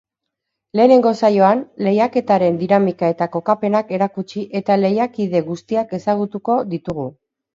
Lehenengo saioan, lehiaketaren dinamika eta kokapenak erakutsi eta lehiakide guztiak ezagutuko ditugu.